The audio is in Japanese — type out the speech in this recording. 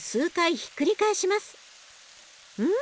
うん。